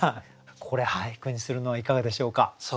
これ俳句にするのはいかがでしょうか？